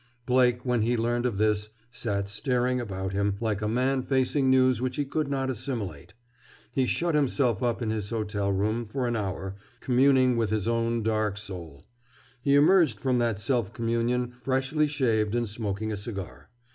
Blake, when he learned of this, sat staring about him, like a man facing news which he could not assimilate. He shut himself up in his hotel room, for an hour, communing with his own dark soul. He emerged from that self communion freshly shaved and smoking a cigar.